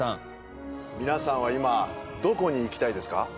皆さんは今、どこに行きたいですか？